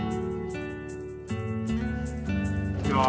こんにちは。